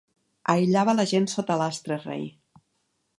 Aïllava la gent sota l'astre rei.